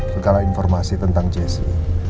segala informasi tentang jesse